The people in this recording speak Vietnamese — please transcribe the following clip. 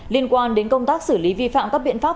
liên quan đến công tác xử lý vi phạm các biện pháp